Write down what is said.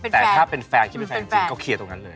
แต่ถ้าเป็นแฟนที่เป็นแฟนจริงก็เคลียร์ตรงนั้นเลย